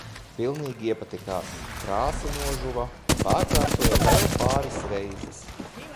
Pilnīgi iepatikās. Krāsa nožuva, pārkrāsoju vēl pāris reizes.